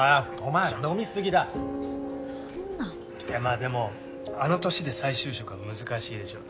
でもあの年で再就職は難しいでしょうね。